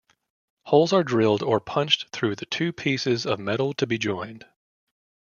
Holes are drilled or punched through the two pieces of metal to be joined.